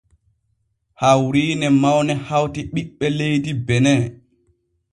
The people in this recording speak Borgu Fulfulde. Hawriine mawne hawti ɓiɓɓe leydi benin.